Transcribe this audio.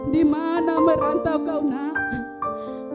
di mana merantau kau nak